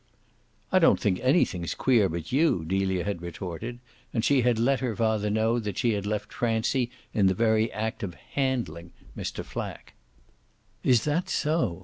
"I don't think anything's queer but you!" Delia had retorted; and she had let her father know that she had left Francie in the very act of "handling" Mr. Flack. "Is that so?"